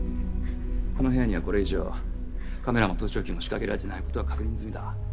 この部屋にはこれ以上カメラも盗聴器も仕掛けられてないことは確認済みだ。